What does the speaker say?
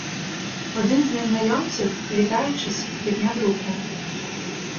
Один з незнайомців, вітаючись, підняв руку.